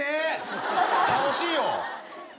楽しいね！